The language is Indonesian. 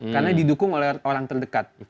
karena didukung oleh orang terdekat